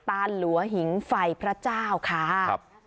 ตานหลัวหิงไฟพระเจ้าค่ะ